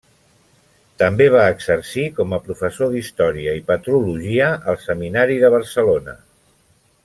També va exercir com a professor d'Història i Patrologia al Seminari de Barcelona.